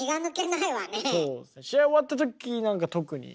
試合終わった時なんか特に。